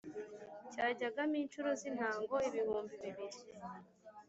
Cyajyagamo incuro z’intango ibihumbi bibiri